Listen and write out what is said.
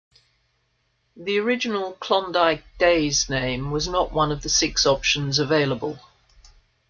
The original "Klondike Days" name was not one of the six options available.